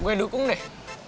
gue dukung deh